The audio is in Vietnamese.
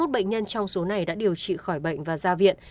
hai mươi bệnh nhân trong số này đã điều trị khỏi bệnh và ra viện